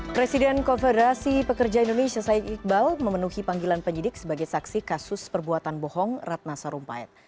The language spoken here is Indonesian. presiden konfederasi pekerja indonesia said iqbal memenuhi panggilan penyidik sebagai saksi kasus perbuatan bohong ratna sarumpayat